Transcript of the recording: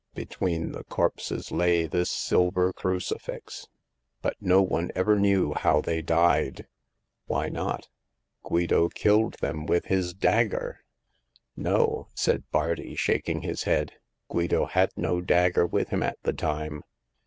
Between the corpses lay this silver crucifix ; but no one ever knew how they died." Why not ? Guido killed them with his dagger." No," said Bardi, shaking his head. " Guido had no dagger with him at the time.